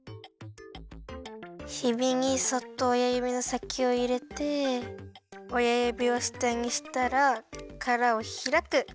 ヒビにそっとおやゆびのさきをいれておやゆびをしたにしたらからをひらく！